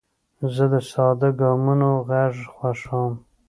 زه د ساده ګامونو غږ خوښوم.